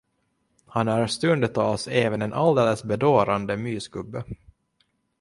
Han är stundtals även en alldeles bedårande mysgubbe.